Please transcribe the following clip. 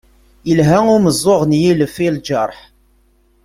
Yelha umeẓẓuɣ n yilef i lǧerḥ.